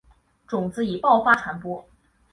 种子以爆发传播。